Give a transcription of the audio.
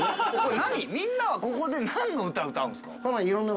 みんなはここで何の歌歌うんですか？